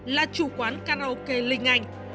là chủ quán karaoke linh anh